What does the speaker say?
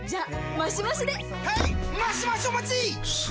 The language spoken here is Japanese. マシマシお待ちっ！！